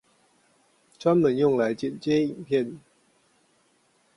專門用來剪接影片